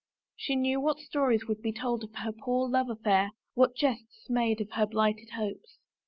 She knew what stories would be told of her poor love affair; what jests made of her blighted hopes.